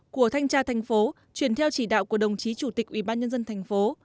của thanh tra thành phố chuyển theo chỉ đạo của đồng chí chủ tịch ủy ban nhân dân thành phố